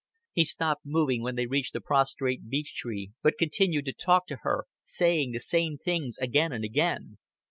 He stopped moving when they reached the prostrate beech tree, but continued to talk to her, saying the same things again and again.